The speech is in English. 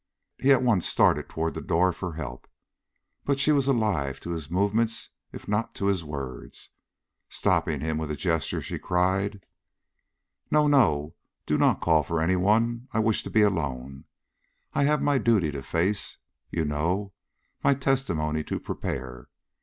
He at once started toward the door for help. But she was alive to his movements if not to his words. Stopping him with a gesture, she cried: "No no! do not call for any one; I wish to be alone; I have my duty to face, you know; my testimony to prepare."